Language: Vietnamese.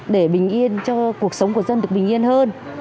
để bình yên cho cuộc sống của dân được bình yên hơn